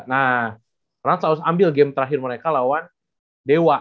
nah rans harus ambil game terakhir mereka lawan dewa